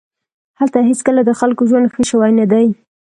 هلته هېڅکله د خلکو ژوند ښه شوی نه دی